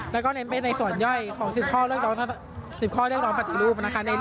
แล้วก็เน้นไปในส่วนย่อยของ๑๐ข้อเรียกร้องปฏิรูปนะคะ